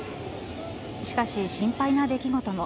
しかし、心配な出来事も。